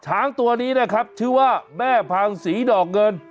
ช้างตัวนี้นะครับชื่อว่าแม่พังศรีดอกเงิน